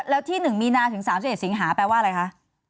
แล้วที่๑มีนาถึง๓๑สิงหาแปลว่าอะไรคะ